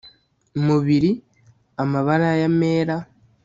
Mubiri amabara y amera